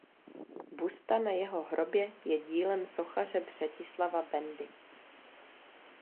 Busta na jeho hrobě je dílem sochaře Břetislava Bendy.